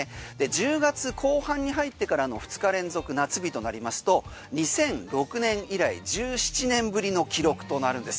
１０月後半に入ってからの２日連続夏日となりますと２００６年以来１７年ぶりの記録となるんです。